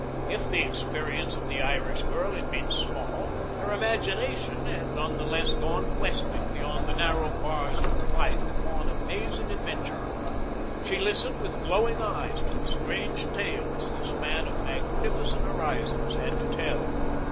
If the experience of the Irish girl had been small, her imagination had none the less gone questing beyond the narrow bars of her life upon amazing adventure. She listened with glowing eyes to the strange tales this man of magnificent horizons had to tell.